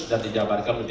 dan dijawabkan oleh pemirsa